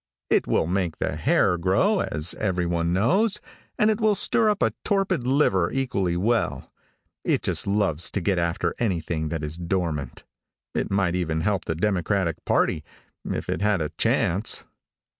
It will make the hair grow, as everyone knows, and it will stir up a torpid liver equally well. It just loves to get after anything that is dormant. It might even help the Democratic party, if it had a chance.